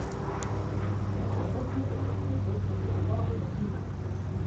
Уафэгум хэсыхь мазэщӀэм нур фагъуэ къыпихут.